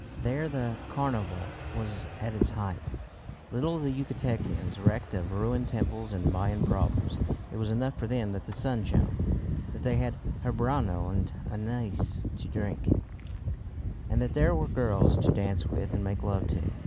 There the carnival was at its height. Little the Yucatecans recked of ruined temples and Mayan problems. It was enough for them that the sun shone, that they had habanero and anise to drink, and that there were girls to dance with and make love to.